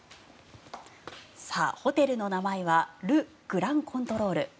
ホテルの名前はル・グラン・コントロール。